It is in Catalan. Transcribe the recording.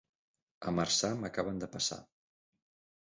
A Marçà m'acaben de passar.